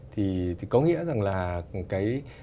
thì có nghĩa rằng là